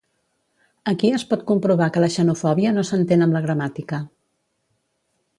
Aquí es pot comprovar que la xenofòbia no s'entén amb la gramàtica